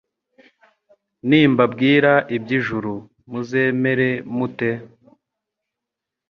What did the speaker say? nimbabwira iby’ijuru muzemera mute?